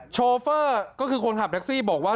โชเฟอร์ก็คือคนขับแท็กซี่บอกว่า